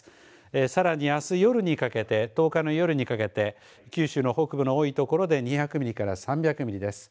さらに、あす夜にかけて１０日の夜にかけて九州の北部の多いところで２００ミリから３００ミリです。